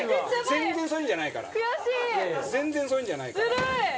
全然そういうのじゃないから。